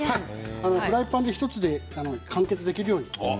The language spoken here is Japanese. フライパン１つで完結できるように。